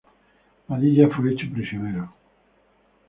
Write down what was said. Padilla fue hecho prisionero.